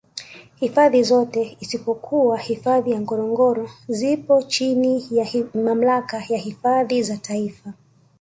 hifadhi zote isipokuwa hifadhi ya ngorongoro zipo chini ya Mamlaka ya hifadhi za taifa